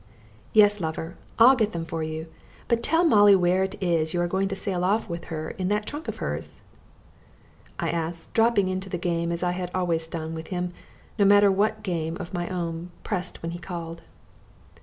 "Yes, lover, I'll get them for you, but tell Molly where it is you are going to sail off with her in that trunk of yours?" I asked, dropping into the game as I have always done with him, no matter what game of my own pressed when he called.